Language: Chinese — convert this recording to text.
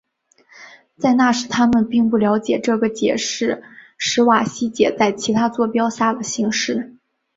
在那时他们并不了解这个解是史瓦西解在其他座标下的形式。